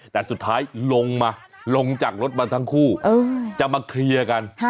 แต่สุดท้ายลงมาลงจากรถมาทั้งคู่จะมาเคลียร์กัน